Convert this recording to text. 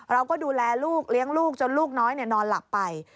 เราก็ดูแลลูกเลี้ยงลูกจนลูกน้อยนอนหลับไป